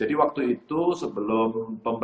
andi proses dibilang table